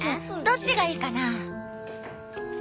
どっちがいいかな？